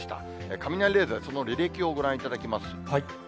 雷レーダーでその履歴をご覧いただきます。